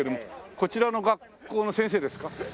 こちらの学校の先生ですか？